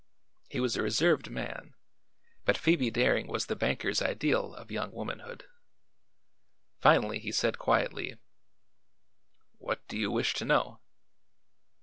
He was a reserved man, but Phoebe Daring was the banker's ideal of young womanhood. Finally he said quietly: "What do you wish to know?"